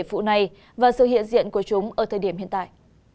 phụ này và sự hiện diện của chúng ở thời điểm hiện tại